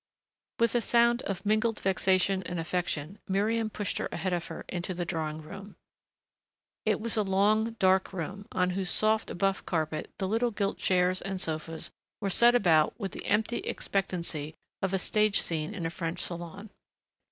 With a sound of mingled vexation and affection Miriam pushed her ahead of her into the drawing room. It was a long, dark room, on whose soft, buff carpet the little gilt chairs and sofas were set about with the empty expectancy of a stage scene in a French salon.